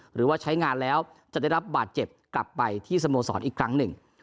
หรือว่าใช้งานแล้วจะได้รับบาดเจ็บกลับไปที่สโมสรอีกครั้งหนึ่ง